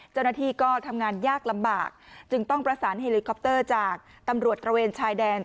เจ้าหน้าที่ก็ทำงานยากลำบากจึงต้องประสานเฮลิคอปเตอร์จากตำรวจตระเวนชายแดน